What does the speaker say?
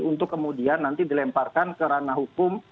untuk kemudian nanti dilemparkan kerana hukum